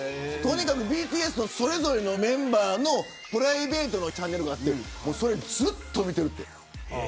とにかくＢＴＳのそれぞれのメンバーのプライベートのチャンネルがあってそれをずっと見てるって。